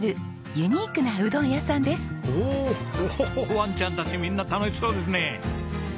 ワンちゃんたちみんな楽しそうですね。